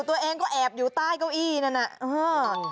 ตัวเองก็แอบอยู่ใต้เก้าอี้นัก